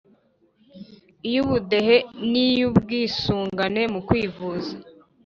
iy’ubudehe niy’ubwisungane mu kwivuza